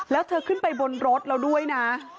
แล้วเธอขึ้นไปบนรถแล้วด้วยนะ